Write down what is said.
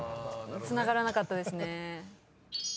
つながらなかったですね。